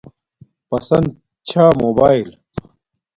پسند چھا موباݵل